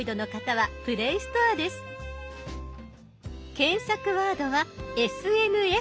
検索ワードは「ＳＮＳ」。